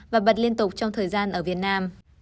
và bật liên tục trong thời gian ở việt nam